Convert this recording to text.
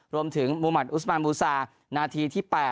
รวมถึงมุมัติอุสมานบูซานาทีที่๘